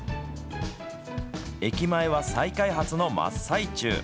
駅前は再開発の真っ最中。